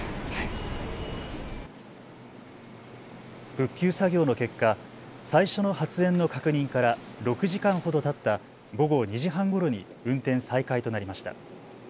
復旧作業の結果、最初の発煙の確認から６時間ほどたった午後２時半ごろに運転再開となりました。